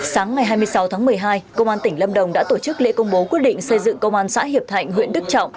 sáng ngày hai mươi sáu tháng một mươi hai công an tỉnh lâm đồng đã tổ chức lễ công bố quyết định xây dựng công an xã hiệp thạnh huyện đức trọng